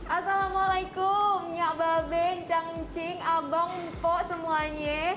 assalamualaikum nyak baben cangcing abang mpo semuanya